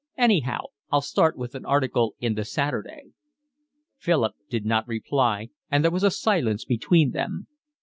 Anyhow I'll start with an article in The Saturday." Philip did not reply, and there was silence between them.